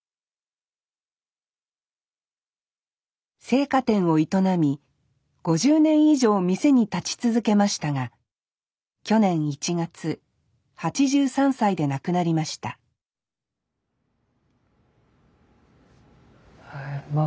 青果店を営み５０年以上店に立ち続けましたが去年１月８３歳で亡くなりましたま